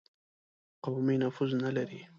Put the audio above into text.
قومي نفوذ نه لري.